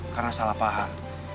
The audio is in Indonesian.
karena salah paham